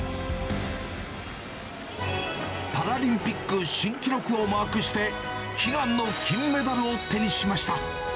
パラリンピック新記録をマークして、悲願の金メダルを手にしました。